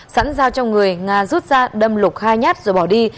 sẵn giao cho người ngà rút ra đâm lục hai nhát rồi bỏ đi